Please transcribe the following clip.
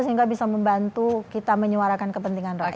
sehingga bisa membantu kita menyuarakan kepentingan rakyat